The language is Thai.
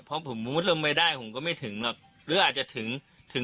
เป็นไงแทนเราแล้วตอนสิบนาทีนั้น